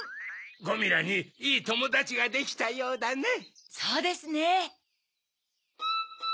ゴミラにいいともだちができたようだねぇ。